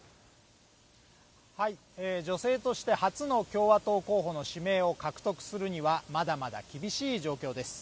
女性として初の共和党候補の指名獲得するにはまだまだ厳しい状況です。